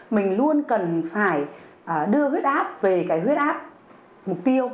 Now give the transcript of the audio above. mình luôn cần phải đưa huyết áp về cái huyết áp mục tiêu